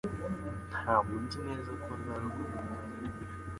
Ntabwo nzi neza ko azarokoka